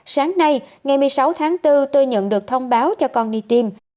sáng nay ngày một mươi sáu tháng bốn tôi nhận được thông báo cho con đi tiêm